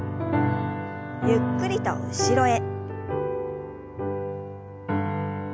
ゆっくりと後ろへ。